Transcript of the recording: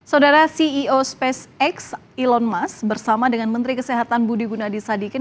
saudara ceo spacex elon musk bersama dengan menteri kesehatan budi gunadisadikin